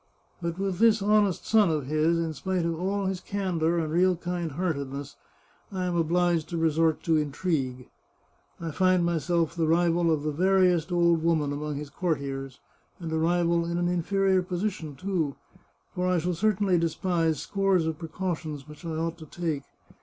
But with this honest son of his, in spite of all his candour and real kind hearted ness, I am obliged to resort to intrigue. I find myself the rival of the veriest old woman among his courtiers, and a rival in an inferior position, too, for I shall certainly despise scores of precautions which I ought to take.